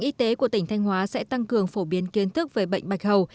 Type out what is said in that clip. y tế của tỉnh thanh hóa sẽ tăng cường phổ biến kiến thức về bệnh bạch hầu